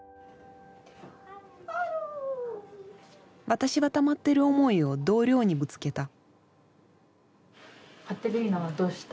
私はたまっている思いを同僚にぶつけた。